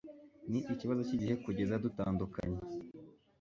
ni ikibazo cyigihe kugeza dutandukanye